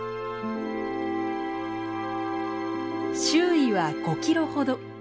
周囲は５キロほど。